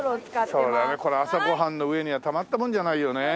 これ朝ご飯の上にはたまったもんじゃないよね。